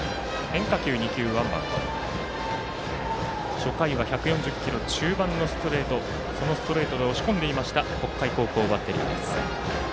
初回は１４０キロ中盤のストレートそのストレートで押し込んでいました北海高校バッテリーです。